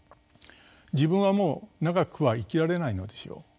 「自分はもう長くは生きられないのでしょう。